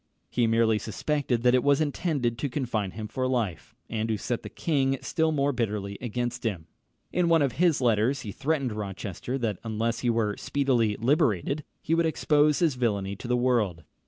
He merely suspected that it was intended to confine him for life, and to set the king still more bitterly against him. In one of his letters he threatened Rochester that unless he were speedily liberated, he would expose his villany to the world.